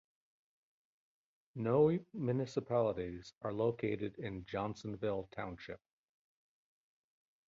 No municipalities are located in Johnsonville Township.